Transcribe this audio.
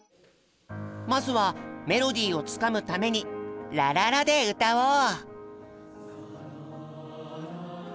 まずはメロディーをつかむために「ラララ」で歌おう！